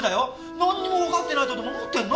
なんにもわかってないとでも思ってんの？